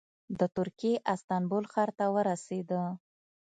د ترکیې استانبول ښار ته ورسېده.